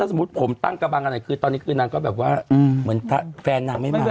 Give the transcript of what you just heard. ถ้าสมมติผมตั้งกระบังอะไรซึ่งตอนนี้แบบว่าแฟนนางไม่มา